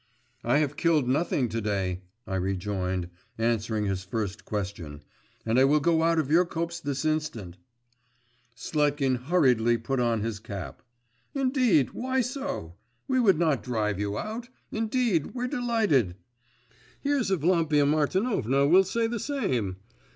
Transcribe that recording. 'I have killed nothing to day,' I rejoined, answering his first question; 'and I will go out of your copse this instant.' Sletkin hurriedly put on his cap. 'Indeed, why so? We would not drive you out indeed, we're delighted.… Here's Evlampia Martinovna will say the same.